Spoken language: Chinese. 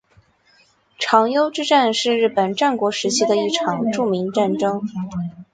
长筱之战是是日本战国时期的一场著名战役。